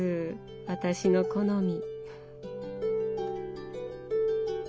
私の好み。